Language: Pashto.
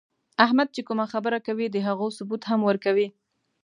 احمد چې کومه خبره کوي، د هغو ثبوت هم ورکوي.